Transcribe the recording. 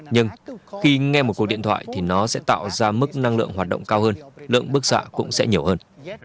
nhưng khi nghe một cuộc điện thoại thì nó sẽ tạo ra mức năng lượng hoạt động cao hơn lượng bức xạ cũng sẽ nhiều hơn